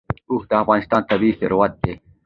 اوښ د افغانستان طبعي ثروت دی.